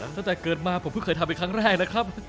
ตั้งแต่เกิดมาผมเพิ่งทำอีกครั้งแรกนะครับ